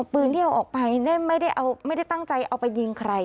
ปืนที่เอาออกไปไม่ได้ตั้งใจเอาไปยิงใคร